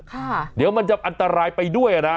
ค่ะเดี๋ยวมันจะอันตรายไปด้วยนะ